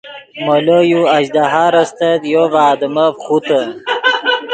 مولو یو اژدھار استت یو ڤے آدمف خوتے